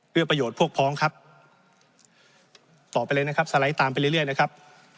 เพื่อประโยชน์พวกพ้องครับต่อไปเลยนะครับสไลด์ตามไปเรื่อยนะครับ